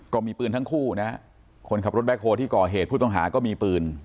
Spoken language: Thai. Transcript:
ก็มีปืนทั้งคู่นะฮะคนขับรถแบ็คโฮที่ก่อเหตุผู้ต้องหาก็มีปืน